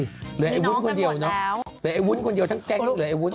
หรือแอ๊ะวุ๊นคนเดียวนะหรือแอ๊ะวุ๊นคนเดียวทั้งแก๊งลูกเหลือแอ๊ะวุ๊น